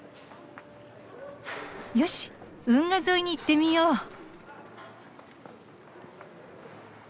よし運河沿いに行ってみよう。